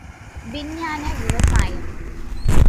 விஞ்ஞான விவசாயம் ….